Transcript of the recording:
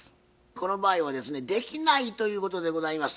この場合はですねできないということでございます。